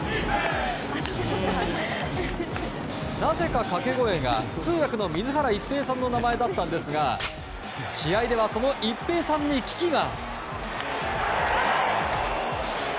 なぜか掛け声が通訳の水原一平さんの名前だったんですが試合ではその一平さんに危機が。